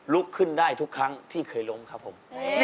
ลุกขึ้นได้ทุกครั้งที่เคยล้มครับผม